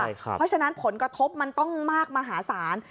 เพราะฉะนั้นผลกระทบมันต้องมากมหาศาล